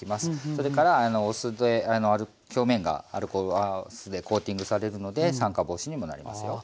それからお酢で表面が酢でコーティングされるので酸化防止にもなりますよ。